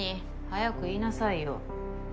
早く言いなさいよ。